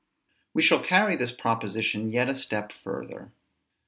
We shall carry this proposition yet a step further.